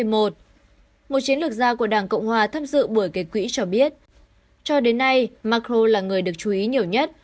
một chiến lược gia của đảng cộng hòa tham dự buổi gây quỹ cho biết cho đến nay macro là người được chú ý nhiều nhất